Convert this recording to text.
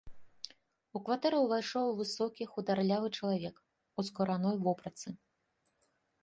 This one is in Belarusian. У кватэру ўвайшоў высокі хударлявы чалавек, у скураной вопратцы.